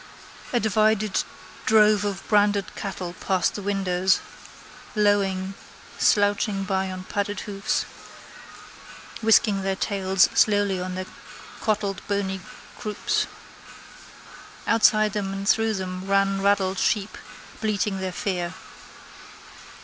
A divided drove of branded cattle passed the windows, lowing, slouching by on padded hoofs, whisking their tails slowly on their clotted bony croups. Outside them and through them ran raddled sheep bleating their fear.